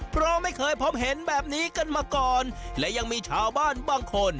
เพราะไม่เคยพบเห็นแบบนี้กันมาก่อนและยังมีชาวบ้านบางคน